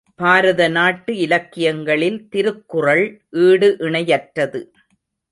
பாரத நாட்டு இலக்கியங்களில் திருக்குறள் ஈடு இணையற்றது.